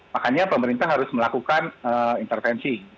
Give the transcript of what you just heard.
makanya pemerintah harus melakukan intervensi